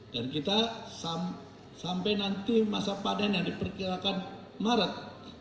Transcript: dan kita sampai nanti masa panen yang diperkirakan maret